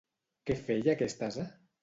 Què feia aquest ase?